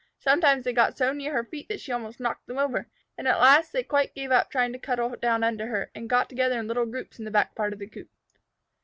Sometimes they got so near her feet that she almost knocked them over, and at last they quite gave up trying to cuddle down under her, and got together in little groups in the back part of the coop.